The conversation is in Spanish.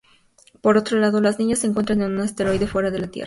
Por otro lado, las niñas se encuentran en un asteroide fuera de la Tierra.